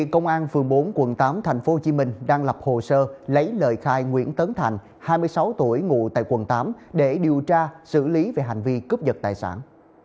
công an phường bốn quận tám tp hcm đang lập hồ sơ lấy lời khai nguyễn tấn thành hai mươi sáu tuổi ngụ tại quận tám để điều tra xử lý về hành vi cướp giật tài sản